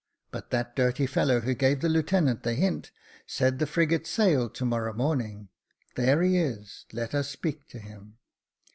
But that dirty fellow who gave the lieutenant the hint, said the frigate sailed to morrow morning ; there he is, let us speak to him."